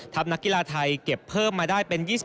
นักกีฬาไทยเก็บเพิ่มมาได้เป็น๒๐